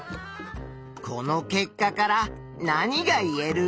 この結果から何がいえる？